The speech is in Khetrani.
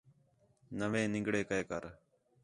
نَوے نِنگڑے کَئے کر